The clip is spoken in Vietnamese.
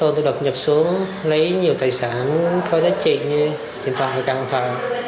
rồi tôi đột nhập xuống lấy nhiều tài sản có thể chi tiêu như điện thoại căn phòng